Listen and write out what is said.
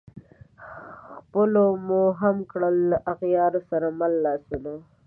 خلپو مو هم کړل له اغیارو سره مله لاسونه